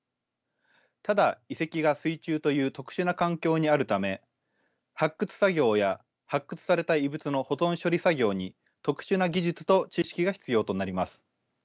ただ遺跡が水中という特殊な環境にあるため発掘作業や発掘された遺物の保存処理作業に特殊な技術と知識が必要となります。